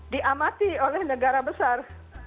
diamati oleh negara besar